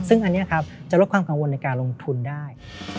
ซึ่งอันนี้ครับจะลดความกังวลในการลงทุนได้